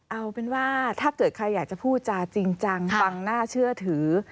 เอาเป็นว่าถ้าเกิดใครอยากจะพูดจาจริงจังฟังน่าเชื่อถือ